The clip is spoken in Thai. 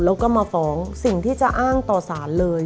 แล้วก็มาฟ้องสิ่งที่จะอ้างต่อสารเลย